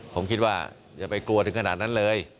ผมคิดว่าอย่าไปกลัวถึงขนาดนั้นเลย